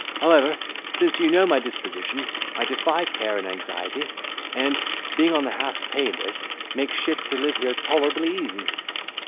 However, you know my disposition, I defy care and anxiety; and being on the half pay list, make shift to live here tolerably easy."